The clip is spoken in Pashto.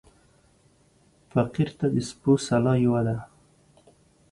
فقير ته د سپو سلا يوه ده.